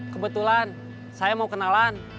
kebetulan saya mau kenalan